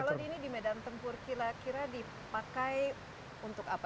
jadi ini di medan tempur kira kira dipakai untuk apa